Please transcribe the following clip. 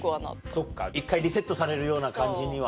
そっか１回リセットされるような感じには。